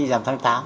giảm tháng tám